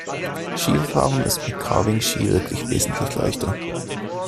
Skifahren ist mit den Carving-Ski wirklich wesentlich leichter.